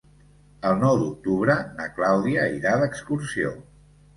El nou d'octubre na Clàudia irà d'excursió.